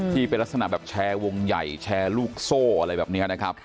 ที่เป็นลักษณะแบบแชร์วงใหญ่แชร์ลูกโซ่อะไรแบบนี้นะครับ